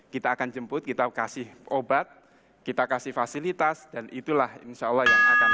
kita akan jemput kita kasih obat kita kasih fasilitas dan itulah insyaallah yang akan